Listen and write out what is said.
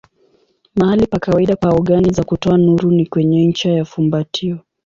Mahali pa kawaida pa ogani za kutoa nuru ni kwenye ncha ya fumbatio.